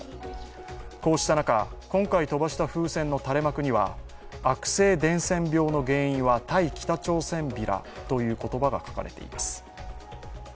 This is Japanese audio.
こうした中、今回飛ばした風船の垂れ幕には「悪性伝染病の原因は対北朝鮮ビラ？」という言葉が書かれています。